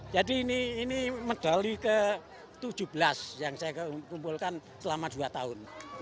jadi ini medali ke tujuh belas yang saya kumpulkan selama dua tahun